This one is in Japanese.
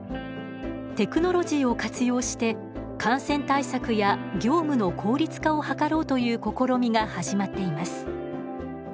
テクノロジーを活用して感染対策や業務の効率化を図ろうという試みが始まっています。